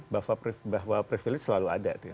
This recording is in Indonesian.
bahwa privilege selalu ada